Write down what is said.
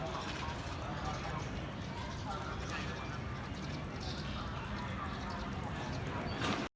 อันที่สุดท้ายก็คือภาษาอันที่สุดท้าย